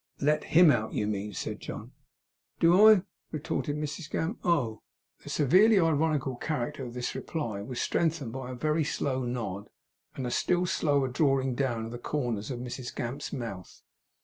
'Let HIM out, you mean,' said John. 'Do I!' retorted Mrs Gamp. 'Oh!' The severely ironical character of this reply was strengthened by a very slow nod, and a still slower drawing down of the corners of Mrs Gamp's mouth.